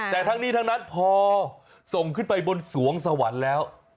แต่ทั้งนี้ทั้งนั้นพอส่งขึ้นไปบนสวงสวรรค์แล้ว